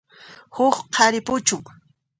Huk qhari puchun.